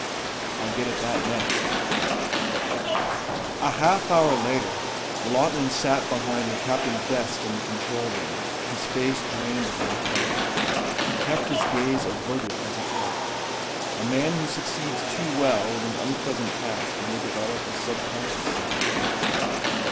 "I'll get at that next." A half hour later Lawton sat beside the captain's desk in the control room, his face drained of all color. He kept his gaze averted as he talked. A man who succeeds too well with an unpleasant task may develop a subconscious sense of guilt.